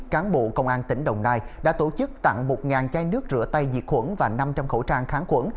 các tổ chức tặng một chai nước rửa tay diệt khuẩn và năm trăm linh khẩu trang kháng khuẩn